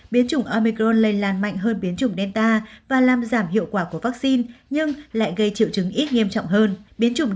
biến chủng omicron lây lan mạnh hơn biến chủng delta và làm giảm hiệu quả của các dịch bệnh